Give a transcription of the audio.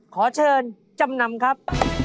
ขอเชิญจำนำครับ